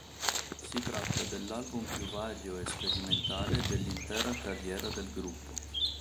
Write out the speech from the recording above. Si tratta dell'album più vario e sperimentale dell'intera carriera del gruppo..